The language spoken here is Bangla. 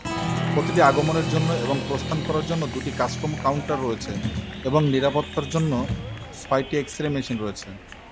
প্রতিটি আগমনের জন্য এবং প্রস্থান করার জন্য দুটি কাস্টমস কাউন্টার রয়েছে এবং নিরাপত্তা জন্য ছয়টি এক্স-রে মেশিন রয়েছে।